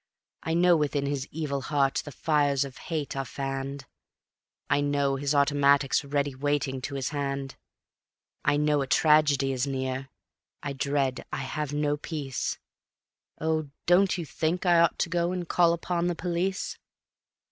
I know within his evil heart the fires of hate are fanned, I know his automatic's ready waiting to his hand. I know a tragedy is near. I dread, I have no peace ... Oh, don't you think I ought to go and call upon the police?